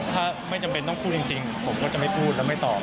ถ้าไม่จำเป็นต้องพูดจริงผมก็จะไม่พูดและไม่ตอบ